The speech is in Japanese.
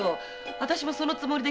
私もそのつもりで。